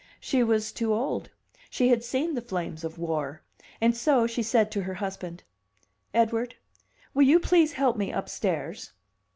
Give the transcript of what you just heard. She was too old; she had seen the flames of war; and so she said to her husband: "Edward, will you please help me upstairs?"